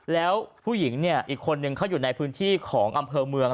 แล้วผู้หญิงเนี่ยอีกคนนึงเขาอยู่ในพื้นที่ของอำเภอเมือง